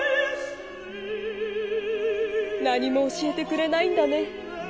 何も教えてくれないんだね。